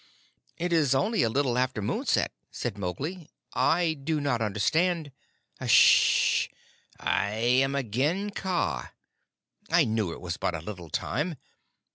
"It is only a little after moonset," said Mowgli. "I do not understand " "Hssh! I am again Kaa. I knew it was but a little time.